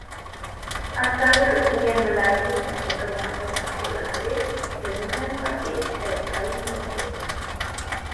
Antara kesenian Melayu yang terkenal termasuklah keris, tenunan batik dan kain songket.